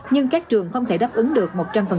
nhưng các trường không thể đáp ứng được một trăm linh